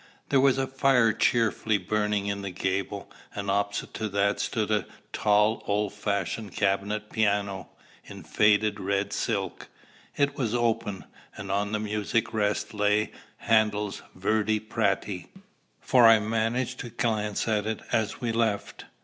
There was a fire cheerfully burning in the gable, and opposite to that stood a tall old fashioned cabinet piano, in faded red silk. It was open; and on the music rest lay Handel's "Verdi Prati," for I managed to glance at it as we left.